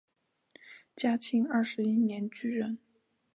嘉庆二十一年举人。